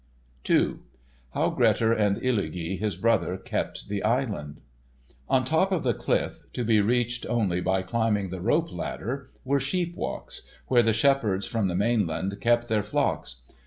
*II* *HOW GRETTIR AND ILLUGI HIS BROTHER KEPT THE ISLAND* On top of the cliff (to be reached only by climbing the rope ladder) were sheep walks, where the shepherds from the mainland kept their flocks.